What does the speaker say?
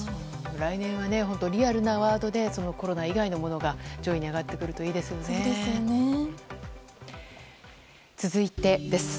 来年はリアルなワードでコロナ以外のものが上位に上がってくるといいですね。